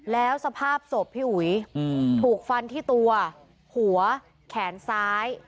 แล้วสภาพศพพี่อุ๋ยถูกฟันที่ตัวหัวแขนซ้าย